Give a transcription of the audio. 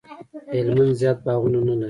هلمند زیات باغونه نه لري